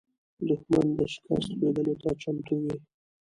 دښمن د شکست لیدلو ته چمتو وي